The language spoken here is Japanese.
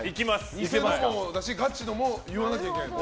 ニセもだしガチも言わなきゃいけない。